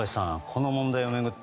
この問題を巡り